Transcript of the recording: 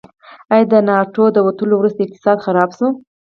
آیا د ناټو د وتلو وروسته اقتصاد خراب شو؟